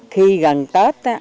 khi gần tết